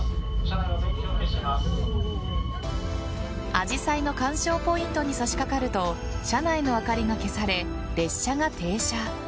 アジサイの鑑賞ポイントに差し掛かると車内の明かりが消され列車が停車。